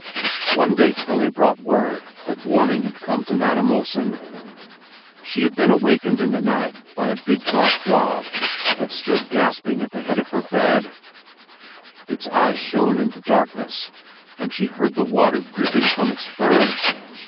One day Pelle brought word that warning had come to Madam Olsen. She had been awakened in the night by a big black dog that stood gasping at the head of her bed. Its eyes shone in the darkness, and she heard the water dripping from its fur.